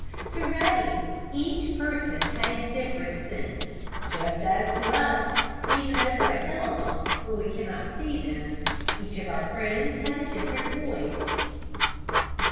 To Ruddy each person had a different scent, just as to us, even over a telephone when we can not see them, each of our friends has a different voice.